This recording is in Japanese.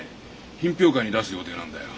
品評会に出す予定なんだよ。